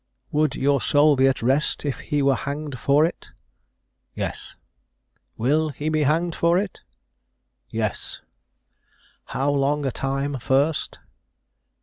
"Would your soul be at rest if he were hanged for it?" "Yes." "Will he be hanged for it?" "Yes." "How long a time first?"